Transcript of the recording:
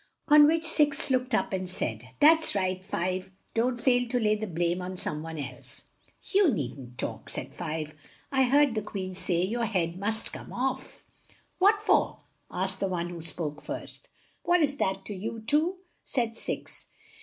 On which Six looked up and said, "That's right, Five! Don't fail to lay the blame on some one else." "You needn't talk," said Five. "I heard the Queen say your head must come off." "What for?" asked the one who spoke first. "What is that to you, Two?" said Six.